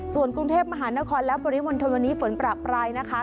ส่วนกรุงเทพมหานครและปริมณฑลวันนี้ฝนประปรายนะคะ